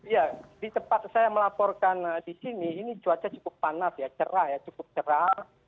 ya di tempat saya melaporkan di sini ini cuaca cukup panas ya cerah ya cukup cerah